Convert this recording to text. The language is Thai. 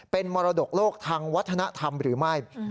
เป็นมรดกโลกทางวัฒนธรรมหรือไม่